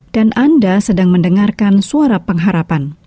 dan anda sedang mendengarkan suara pengharapan